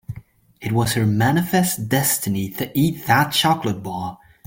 It was her manifest destiny to eat that chocolate bar.